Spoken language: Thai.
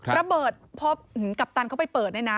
ระเบิดพอกัปตันเขาไปเปิดเนี่ยนะ